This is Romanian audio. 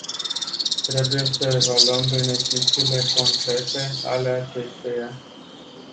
Trebuie să evaluăm beneficiile concrete ale acesteia.